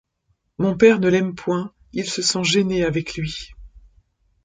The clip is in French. Mon père ne l’aime point, il se sent gêné avec lui.